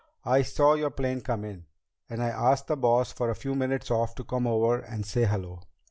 "I saw your plane come in, and I asked the boss for a few minutes off to come over and say hello."